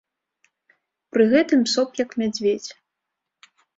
Пры гэтым соп, як мядзведзь.